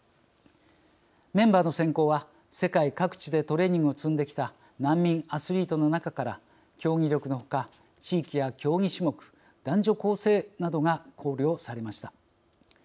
メンバーの選考は、世界各地でトレーニングを積んできた難民アスリートの中から競技力のほか地域や競技種目男女構成などが考慮されました。